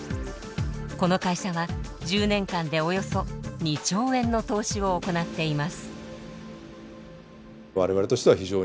この会社は１０年間でおよそ２兆円の投資を行っています。